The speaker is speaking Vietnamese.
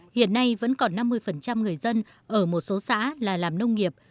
hiện nay vẫn còn năm mươi người dân ở một số xã là làm nông nghiệp